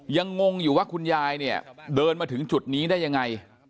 งงอยู่ว่าคุณยายเนี่ยเดินมาถึงจุดนี้ได้ยังไง